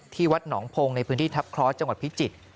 ที่วัดหนองพงในพื้นที่ทัพคลอสจังหวัดพิจิตร